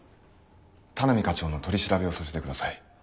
田波課長の取り調べをさせてください。